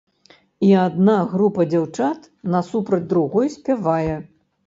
І адна група дзяўчат насупраць другой спявае.